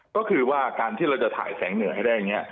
ก็คือว่าการที่เราจะถ่ายแสงเหนือให้ได้อย่างนี้